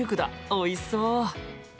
おいしそう！